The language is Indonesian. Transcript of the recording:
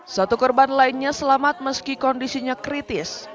satu korban lainnya selamat meski kondisinya kritis